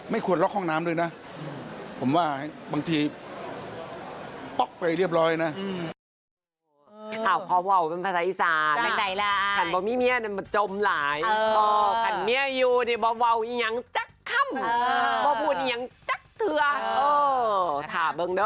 ไม่ควรล็อกห้องน้ำเลยนะ